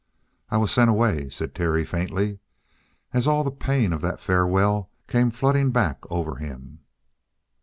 "I was sent away," said Terry faintly, as all the pain of that farewell came flooding back over him.